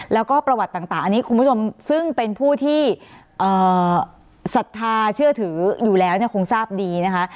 แล้วก็ประวัติต่างอันนี้คุณผู้ชมซึ่งเป็นผู้ที่ศรัทธาเชื่อถืออยู่แล้วเนี่ยคงทราบดีนะคะ